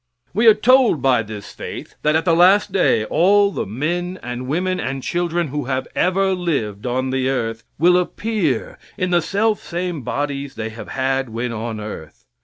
We are told by this faith that at the last day all the men and women and children who have ever lived on the earth will appear in the self same bodies they have had when on earth.